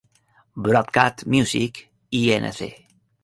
Broadcast Music, Inc.